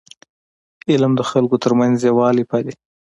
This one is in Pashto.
علم د خلکو ترمنځ یووالی پالي.